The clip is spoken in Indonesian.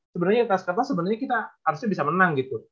sebenernya kita seharusnya bisa menang gitu